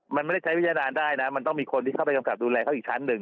มันไม่ได้ใช้วิทยานานได้นะมันต้องมีคนที่เข้าไปกำกับดูแลเขาอีกชั้นหนึ่ง